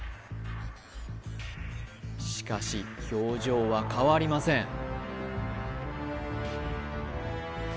しかし表情は変わりません